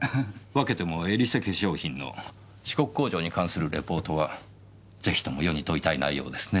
わけてもエリセ化粧品の四国工場に関するレポートはぜひとも世に問いたい内容ですね。